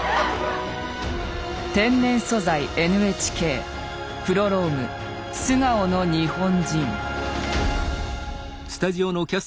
「天然素材ＮＨＫ」プロローグ「素顔の日本人」。